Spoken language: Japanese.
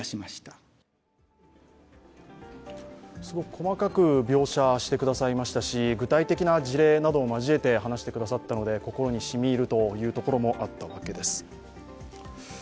すごく細かく描写してくださいましたし、具体的な事例などをまじえて話してくださったので心にしみ入るというところもあったわけです。